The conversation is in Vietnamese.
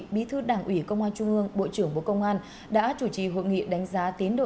bí thư đảng ủy công an trung ương bộ trưởng bộ công an đã chủ trì hội nghị đánh giá tiến độ